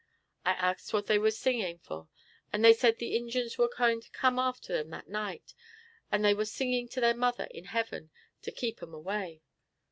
I axed what they were singin' for, and they said the Injins war goin' to come after 'em that night, and they war singin' to their mother in heaven to keep 'em away.